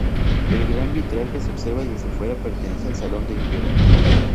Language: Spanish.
El gran vitral que se observa desde fuera pertenece al salón de invierno.